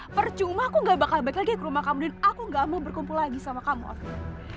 percuma aku gak bakal balik lagi ke rumah kamu dan aku gak mau berkumpul lagi sama kamu waktu